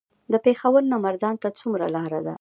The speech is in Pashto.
د پېښور نه مردان ته څومره لار ده؟